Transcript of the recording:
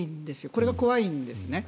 これが怖いんですね。